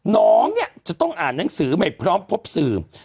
น้องเนี่ยจะต้องอ่านหนังสือใหม่พร้อมพบสื่อ